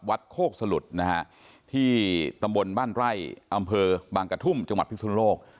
วัดโคกสะหรุดที่ตำบลบ้านไร่อำเภอบางกะทุ่มจังหวัดภิกษุนุโลก